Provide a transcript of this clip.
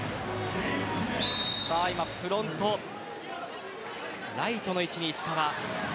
フロントライトの位置に石川。